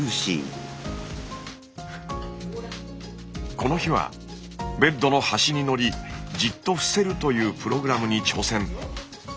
この日はベッドの端にのりじっと伏せるというプログラムに挑戦。